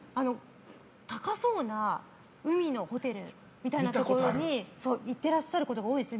高そうな海のホテルみたいなところに行ってらっしゃることが多いですね。